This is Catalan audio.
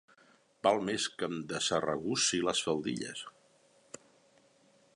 Val més que em desarregussi les faldilles.